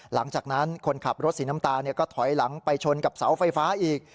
หลังจากนั้นคนขับรถสีน้ำตาลก็ถอยหลังไปชนกับเสาไฟฟ้าอีก